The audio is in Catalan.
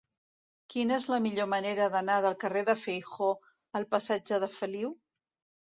Quina és la millor manera d'anar del carrer de Feijoo al passatge de Feliu?